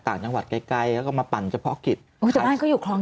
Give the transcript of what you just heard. ต่างจังหวัดไกลเขาก็มาปั่นจักรภาคอุ้ยแต่บ้านเขาอยู่คลอง